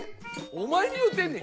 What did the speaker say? お前に言うてんねん！